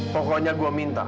pokoknya gue minta